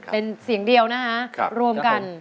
เป็นเสียงเดียวนะคะรวมกัน